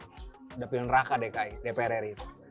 udah pilih neraka dki dpr ri